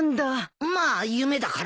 まあ夢だからね。